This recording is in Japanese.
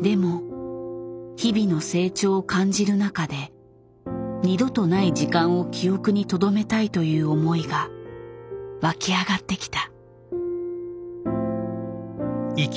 でも日々の成長を感じる中で二度とない時間を記憶にとどめたいという思いが湧き上がってきた。